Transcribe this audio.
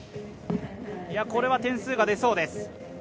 これは点数が出そうです。